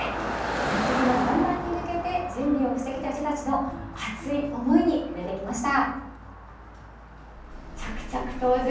祭りの本番に向けて、準備をしてきた人たちの熱い思いに触れてきました。